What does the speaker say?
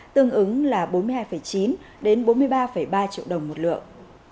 tương ứng là bốn mươi hai chín đến bốn mươi ba ba triệu đồng một lượng